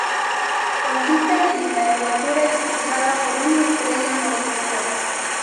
Consiste en la envoltura expulsada por una estrella moribunda.